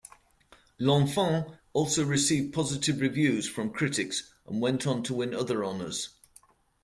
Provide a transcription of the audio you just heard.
"L'Enfant" also received positive reviews from critics, and went on the win other honours.